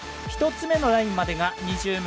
１つ目のラインまでが２０ｍ。